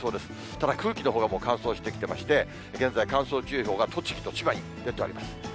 ただ、空気のほうがもう乾燥してきてまして、現在、乾燥注意報が栃木と千葉に出ております。